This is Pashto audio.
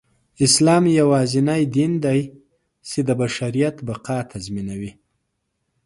اسلام يواځينى دين دى، چې د بشریت بقاﺀ تضمينوي.